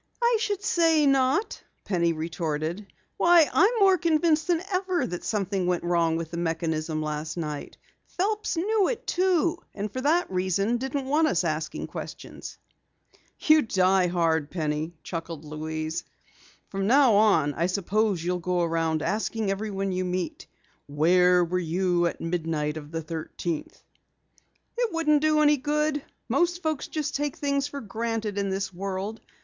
"I should say not!" Penny retorted. "Why, I'm more convinced than ever that something went wrong with the mechanism last night. Phelps knew it too, and for that reason didn't want us asking questions!" "You die hard, Penny," chuckled Louise. "From now on, I suppose you'll go around asking everyone you meet: 'Where were you at midnight of the thirteenth?'" "It wouldn't do any good. Most folks just take things for granted in this world.